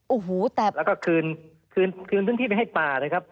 โอ้โหแต่แล้วก็คืนคืนพื้นที่ไปให้ป่าเลยครับ